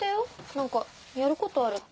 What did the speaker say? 何かやることあるって。